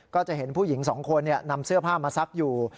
ก็จะเห็นผู้หญิงสองคนนำเสื้อผ้ามาซักอยู่